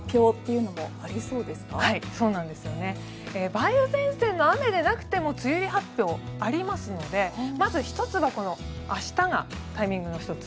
梅雨前線の雨でなくても梅雨入り発表ありますのでまず１つは明日がタイミングの１つ。